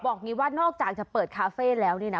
บอกมีว่านอกจากจะเปิดคาเฟ่แล้วนะ